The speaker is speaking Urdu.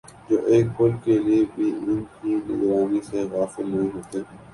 جو ایک پل کے لیے بھی ان کی نگرانی سے غافل نہیں ہوتے